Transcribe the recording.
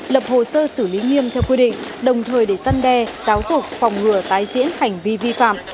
lập hồ sơ xử lý nghiêm theo quy định đồng thời để săn đe giáo dục phòng ngừa tái diễn hành vi vi phạm